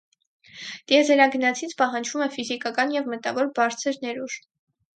Տիեզերագնացից պահանջվում է ֆիզիկական և մտավոր բարձր ներուժ։